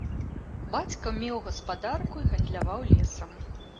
Бацька меў гаспадарку і гандляваў лесам.